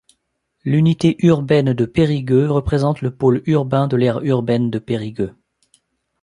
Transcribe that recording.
L'unité urbaine de Périgueux représente le pôle urbain de l'aire urbaine de Périgueux.